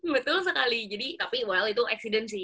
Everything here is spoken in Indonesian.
betul sekali tapi well itu kejadian sih